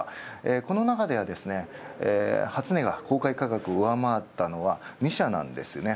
このなかで、初値が公開価格を上回ったのが２社なんですね。